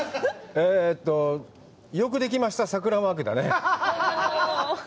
えっと、よくできました桜マークだね。